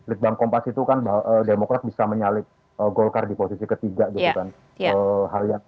itu kan bahwa demokrasi bisa menyalip golkar di posisi ketiga gitu kan